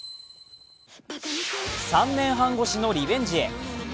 ３年半越しのリベンジへ。